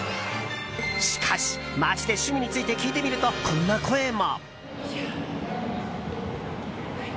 しかし、街で趣味について聞いてみるとこんな声も。